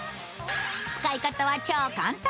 使い方は超簡単。